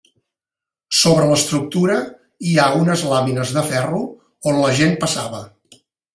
Sobre l'estructura hi ha unes làmines de ferro, on la gent passava.